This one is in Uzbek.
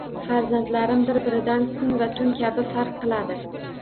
Farzandlarim bir-biridan kun va tun kabi farq qiladi.